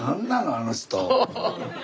あの人。